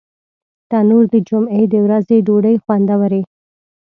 تنور د جمعې د ورځې ډوډۍ خوندوروي